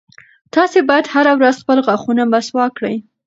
تاسي باید هره ورځ خپل غاښونه مسواک کړئ.